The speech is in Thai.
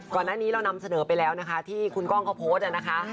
ก่อนหน้านี้เรานำเสนอไปแล้วนะคะที่คุณกล้องเขาโพสต์นะคะ